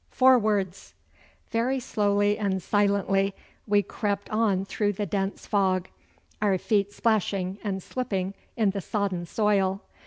Forwards!' Very slowly and silently we crept on through the dense fog, our feet splashing and slipping in the sodden soil.